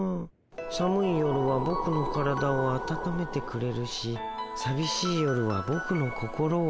寒い夜はボクの体を温めてくれるしさびしい夜はボクの心を温めてくれる。